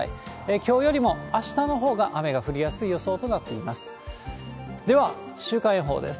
きょうよりもあしたのほうが雨が降りやすい予想となっています。